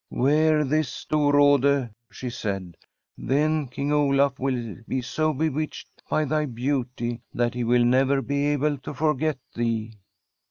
* Wear this, Storrade,' she said ;' then King Olaf will be so bewitched by thy beauty that he will never be able to forget thee.'